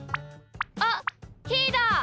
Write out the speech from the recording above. あっひーだ！